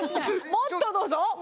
もっとどうぞ。